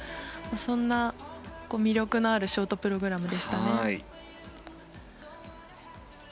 そんな魅力のあるショートプログラムでしたね。